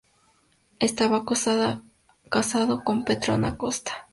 Estaba casado con Petrona Acosta.